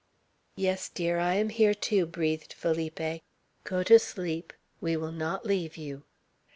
"Yes, dear! I am here, too," breathed Felipe; "go to sleep. We will not leave you!"